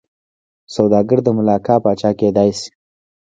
سوداګر د ملاکا پاچا کېدای شي.